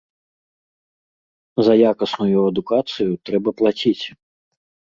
За якасную адукацыю трэба плаціць!